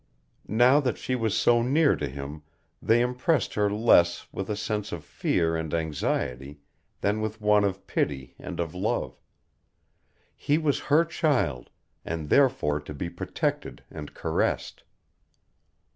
Now that she was so near to him they impressed her less with a sense of fear and anxiety than with one of pity and of love. He was her child, and therefore to be protected and caressed.